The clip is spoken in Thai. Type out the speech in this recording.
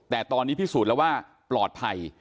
แต่ตอนนี้พิสูจน์แล้วว่าปลอดภัย